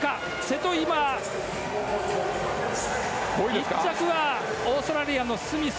１着はオーストラリア、スミス。